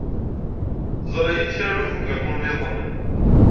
Ẓer-iyi-d kra n ubugaṭu nniḍen.